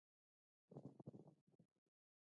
د کندهار په معروف کې د مالګې نښې شته.